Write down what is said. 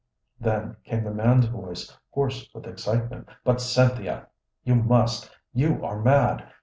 Then came the man's voice, hoarse with excitement: "But, Cynthia, you must; you are mad.